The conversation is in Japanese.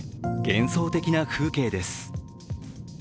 幻想的な風景です。